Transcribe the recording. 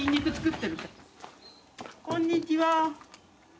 こんにちは。